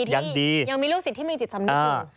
ยังมีลูกศิษย์ที่มีจิตรสำนึกดี